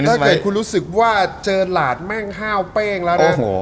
ถ้าเกิดคุณรู้สึกว่าเจอหลาดแม่งห้าวเป้งแล้วนะ